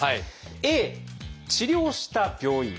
Ａ治療した病院。